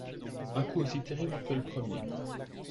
Un coup aussi terrible que le premier.